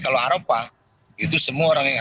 kalau aropa itu semua orang yang